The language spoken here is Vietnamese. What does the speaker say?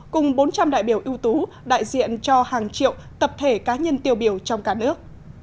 cùng bốn trăm linh đại biểu ưu tú đại diện cho hàng triệu tập thể cá nhân tiêu biểu trong cả nước